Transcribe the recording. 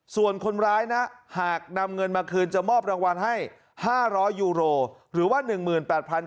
ส่วนคนร้ายนะหากนำเงินมาคืนจะมอบรางวัลให้๕๐๐ยูโรหรือว่า๑๘๐๐บาท